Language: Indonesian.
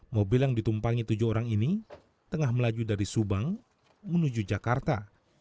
mobil yang ditumpangi tujuh orang ini tengah melaju dari subang menuju jakarta